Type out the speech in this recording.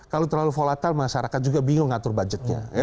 kalau terlalu volatile masyarakat juga bingung ngatur budgetnya